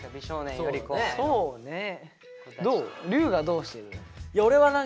龍我どうしてる？